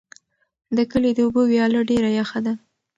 د کلي د اوبو ویاله ډېره یخه ده.